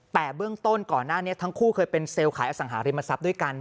แต่เบื้องต้นก่อนหน้านี้ทั้งคู่เคยเป็นเซลล์ขายอสังหาริมทรัพย์ด้วยกัน